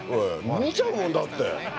見ちゃうもんだって。